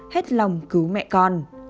hết lòng cứu mẹ con